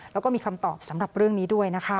แล้วก็มีคำตอบสำหรับเรื่องนี้ด้วยนะคะ